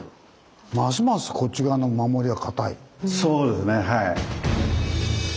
そうですねはい。